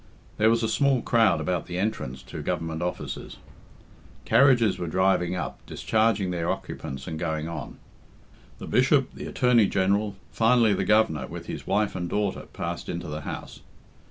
There was a small crowd about the entrance to Government offices. Carriages were driving up, discharging their occupants and going on. The Bishop, the Attorney General, finally the Governor with his wife and daughter passed into the house.